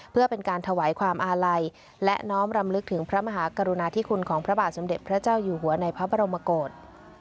เพื่อเป็นการถวายความอาลัยและน้อมรำลึกถึงพระมหากรุณาธิคุณของพระบาทสมเด็จพระเจ้าอยู่หัวในพระบรมกฏ